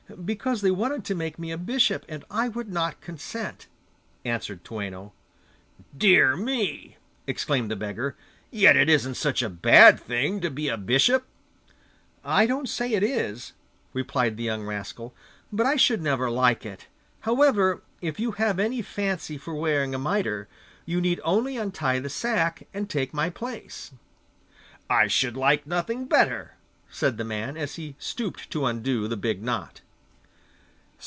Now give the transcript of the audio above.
'Because they wanted to make me a bishop, and I would not consent,' answered Toueno. 'Dear me,' exclaimed the beggar, 'yet it isn't such a bad thing to be a bishop.' 'I don't say it is,' replied the young rascal, 'but I should never like it. However, if you have any fancy for wearing a mitre, you need only untie the sack, and take my place.' 'I should like nothing better,' said the man, as he stooped to undo the big knot.